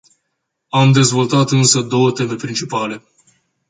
Am dezvoltat însă două teme principale.